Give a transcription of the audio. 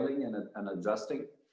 menjawab tentang vaksin